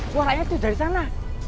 suaranya tuh dari sana